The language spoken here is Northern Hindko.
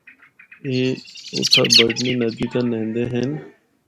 اے اُتھا بڈھنی ندی تے نیںدے ہن۔